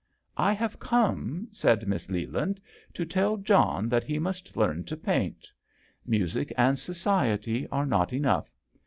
" I have come," said Miss Leland, "to tell John that he must learn to paint. Music and society are not enough.